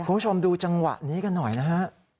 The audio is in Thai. คุณผู้ชมดูจังหวะนี้กันหน่อยนะฮะ